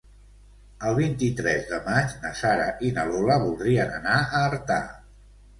El vint-i-tres de maig na Sara i na Lola voldrien anar a Artà.